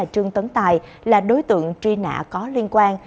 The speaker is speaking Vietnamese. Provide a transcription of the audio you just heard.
trương tấn tài là đối tượng truy nã có liên quan